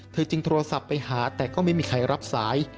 จึงโทรศัพท์ไปหาแต่ก็ไม่มีใครรับสาย